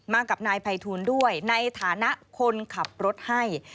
กับนายภัยทูลด้วยในฐานะคนขับรถให้